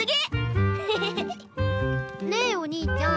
ねえお兄ちゃん